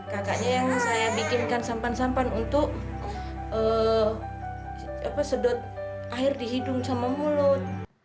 kakaknya yang saya bikinkan sampan sampan untuk sedot air di hidung sama mulut